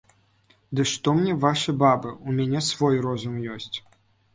Ды што мне вашы бабы, у мяне свой розум ёсць.